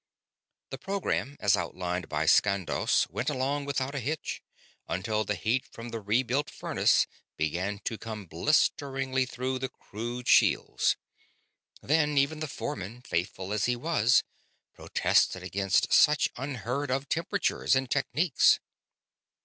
The program as outlined by Skandos went along without a hitch until the heat from the rebuilt furnace began to come blisteringly through the crude shields. Then even the foreman, faithful as he was, protested against such unheard of temperatures and techniques.